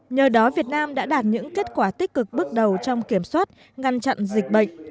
nhờ đó việt nam đã đạt những kết quả tích cực bước đầu trong kiểm soát ngăn chặn dịch bệnh